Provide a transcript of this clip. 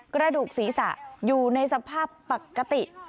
กระดูกศีรษะอยู่ในสภาพปกติ